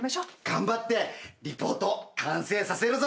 頑張ってリポート完成させるぞ。